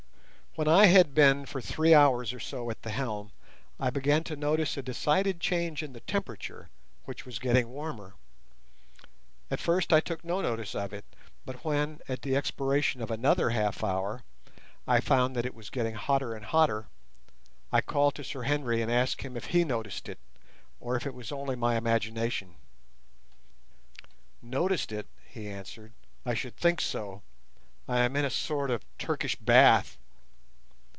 When I had been for three hours or so at the helm, I began to notice a decided change in the temperature, which was getting warmer. At first I took no notice of it, but when, at the expiration of another half hour, I found that it was getting hotter and hotter, I called to Sir Henry and asked him if he noticed it, or if it was only my imagination. "Noticed it!" he answered; "I should think so. I am in a sort of Turkish bath."